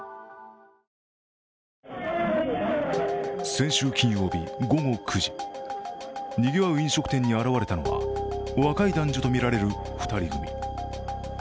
先週金曜日午後９時、にぎわう飲食店に現れたのは若い男女とみられる２人組。